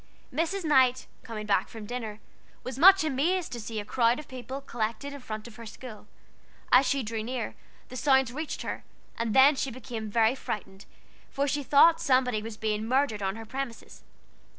Mrs. Knight coming back from dinner, was much amazed to see a crowd of people collected in front of her school. As she drew near, the sounds reached her, and then she became really frightened, for she thought somebody was being murdered on her premises.